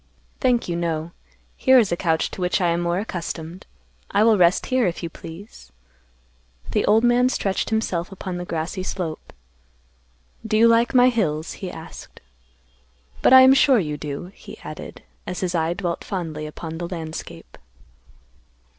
"Thank you, no. Here is a couch to which I am more accustomed. I will rest here, if you please." The old man stretched himself upon the grassy slope. "Do you like my hills?" he asked. "But I am sure you do," he added, as his eye dwelt fondly upon the landscape.